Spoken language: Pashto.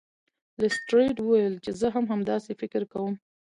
لیسټرډ وویل چې زه هم همداسې فکر کوم.